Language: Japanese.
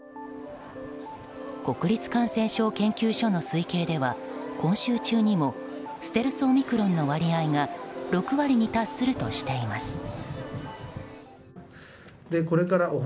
国立感染症研究所の推計では今週中にもステルスオミクロンの割合が６割に達するとしています。